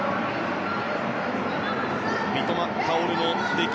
三笘薫の出来